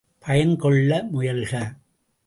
பயன் கொள்ள முயலுக.